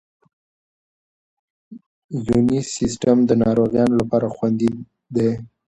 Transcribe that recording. یوني سیسټم د ناروغانو لپاره خوندي دی.